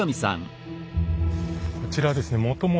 こちらはですね